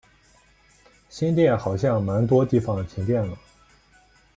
新店好像蛮多地方停电了